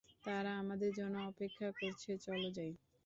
তারা আমাদের জন্য অপেক্ষা করছে, চলো যাই।